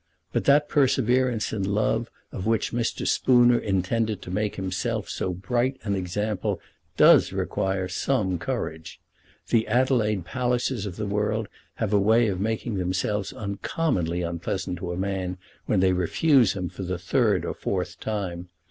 But that perseverance in love of which Mr. Spooner intended to make himself so bright an example does require some courage. The Adelaide Pallisers of the world have a way of making themselves uncommonly unpleasant to a man when they refuse him for the third or fourth time.